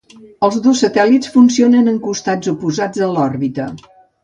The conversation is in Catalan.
Els dos satèl·lits funcionen en costats oposats de l'òrbita.